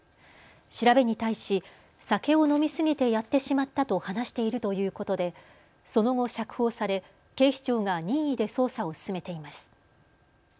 調べに対し、酒を飲み過ぎてやってしまったと話しているということでその後、釈放され警視庁が任意で捜査を進めています。